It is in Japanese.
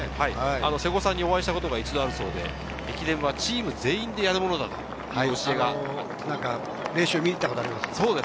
瀬古さんにお会いしたことがあるそうで、駅伝はチーム全員でやるものだという教えがあったということです。